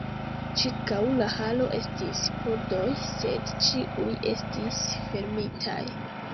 Ĉirkaŭ la halo estis pordoj; sed ĉiuj estis fermitaj.